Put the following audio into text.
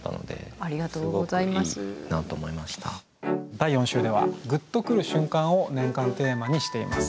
第４週では「グッとくる瞬間」を年間テーマにしています。